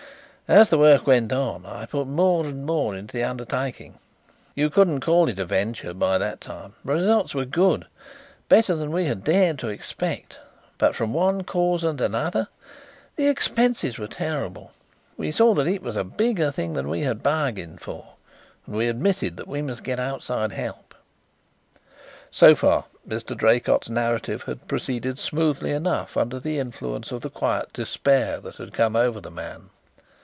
As the work went on I put more and more into the undertaking you couldn't call it a venture by that time. The results were good, better than we had dared to expect, but from one cause and another the expenses were terrible. We saw that it was a bigger thing than we had bargained for and we admitted that we must get outside help." So far Mr. Draycott's narrative had proceeded smoothly enough under the influence of the quiet despair that had come over the man.